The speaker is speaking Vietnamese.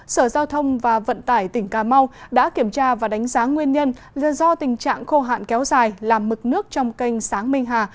sở giao thông và vận tải tỉnh cà mau đã kiểm tra và đánh giá nguyên nhân do tình trạng khô hạn kéo dài làm mực nước trong kênh sáng minh hà